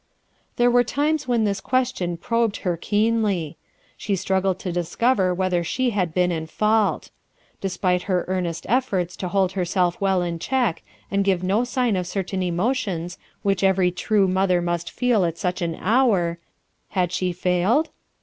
There were times when this question probed her keenly. She struggled to discover whether she had been in fault. Despite her earnest efforts to hold herself well in check and give no sign of certain emotions which every true mother must feel at such an hour, had she failed